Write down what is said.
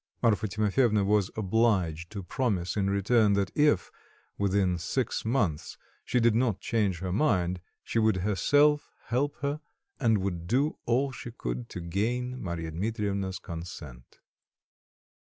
Marfa Timofyevna was obliged to promise in return that if, within six months, she did not change her mind, she would herself help her and would do all she could to gain Marya Dmitrievna's consent.